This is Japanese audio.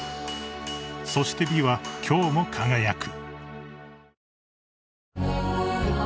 ［そして美は今日も輝く］